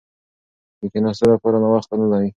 د کښېناستو لپاره ناوخته نه وي.